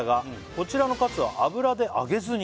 「こちらのかつは油で揚げずに」